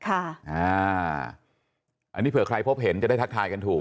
อันนี้เผื่อใครพบเห็นจะได้ทักทายกันถูก